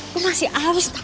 gue masih arus